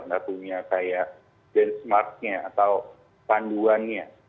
nggak punya kayak benchmarknya atau panduannya